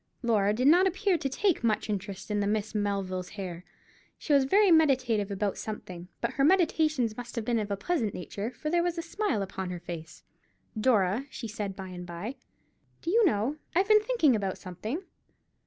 Laura did not appear to take much interest in the Miss Melvilles' hair. She was very meditative about something; but her meditations must have been of a pleasant nature, for there was a smile upon her face. "Dora," she said, by and by, "do you know I've been thinking about something?"